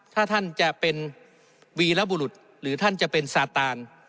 ถ้าท่านจะเป็นวีรบุรุษหรือท่านจะเป็นซาตาน